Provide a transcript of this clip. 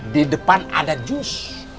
di depan ada jus